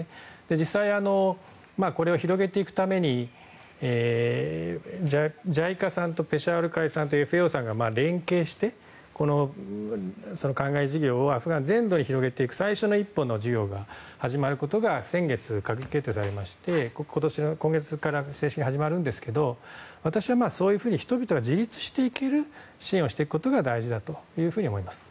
実際、これを広げていくためにＪＩＣＡさんとペシャワール会さんとＦＡＯさんが連携して、灌漑事業をアフガン全土に広げていく最初の一歩の事業が始まることが先月、閣議決定されまして今月から正式に始まるんですけど私はそういうふうに人々が自立していける支援をしていくことが大事だと思います。